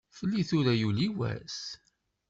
Fell-i tura yuli wass.